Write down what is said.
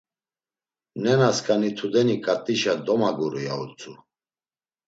Nenasǩani tudeni ǩat̆işa domaguru, ya utzu.